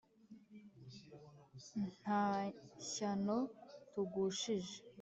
nta shyano tugushije,